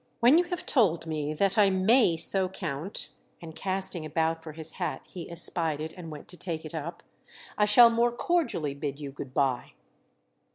When you have told me that I may so count"—and casting about for his hat he espied it and went to take it up—"I shall more cordially bid you good bye."